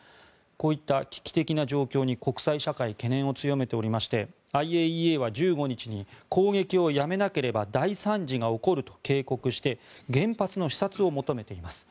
こういった危機的な状況に国際社会は懸念を強めておりましてＩＡＥＡは１５日に攻撃をやめなければ大惨事が起こると警告して原発の視察を求めています。